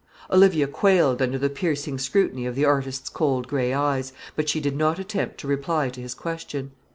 Olivia quailed under the piercing scrutiny of the artist's cold grey eyes, but she did not attempt to reply to his question.